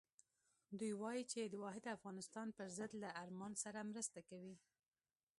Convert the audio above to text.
دوی وایي چې د واحد افغانستان پر ضد له ارمان سره مرسته کوي.